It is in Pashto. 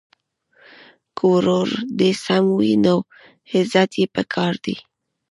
که ورور دي سم وي نو عزت یې په کار دی.